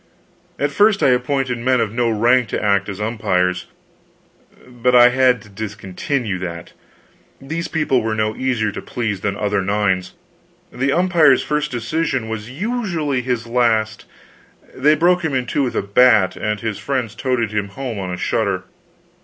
At first I appointed men of no rank to act as umpires, but I had to discontinue that. These people were no easier to please than other nines. The umpire's first decision was usually his last; they broke him in two with a bat, and his friends toted him home on a shutter.